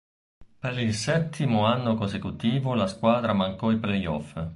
Per il settimo anno consecutivo la squadra mancò i playoff.